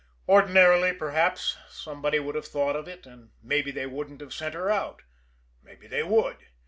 Ordinarily, perhaps, somebody would have thought of it, and maybe they wouldn't have sent her out maybe they would.